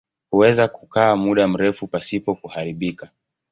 Huweza kukaa muda mrefu pasipo kuharibika.